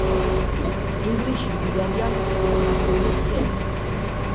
ინგლისში მდიდარია ჰიდროგრაფიული ქსელი